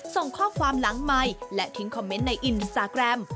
ส่งข้อความหลังไมค์และทิ้งคอมเมนต์ในอินสตาแกรม